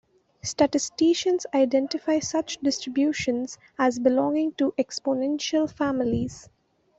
Statisticians identify such distributions as belonging to exponential families.